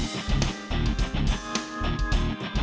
terima kasih chandra